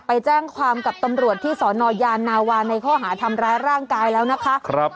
ไปแจ้งความกับตำรวจที่สนยานาวาในข้อหาทำร้ายร่างกายแล้วนะคะ